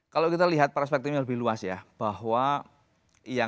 kalau kita lihat perspektifnya lebih luas ya bahwa